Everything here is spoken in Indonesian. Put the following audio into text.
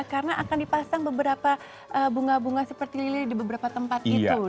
karena akan dipasang beberapa bunga bunga seperti lili di beberapa tempat itu